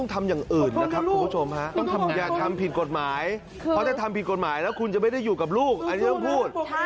ทำต้องฟูปอันนี้ต้องพูด